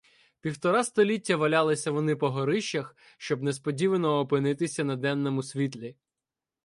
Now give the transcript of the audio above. Півтора століття валялися вони по горищах, щоб несподівано опинитися на денному світлі.